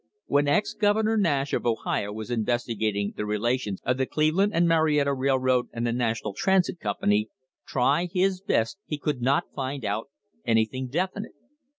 When ex Governor Nash of Ohio was investigating the relations of the Cleveland and Marietta Railroad and the National Transit Company, try his best he could not find out anything definite.